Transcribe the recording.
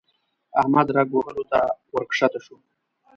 احمد رګ وهلو ته ورکښته شو.